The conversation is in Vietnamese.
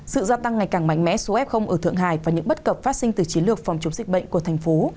sự gia tăng ngày càng mạnh mẽ số f ở thượng hải và những bất cập phát sinh từ chiến lược phòng chống dịch bệnh của thành phố